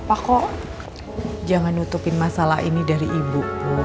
aku udah lama kaget sama kamu